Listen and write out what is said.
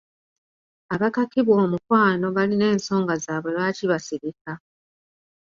Abakakibwa omukwano balina ensonga zaabwe lwaki basirika.